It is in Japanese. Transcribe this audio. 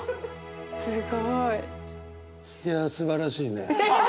すごい。いやすばらしいね。